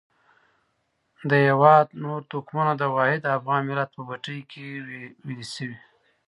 د هېواد نور توکمونه د واحد افغان ملت په بټۍ کې ویلي شوي.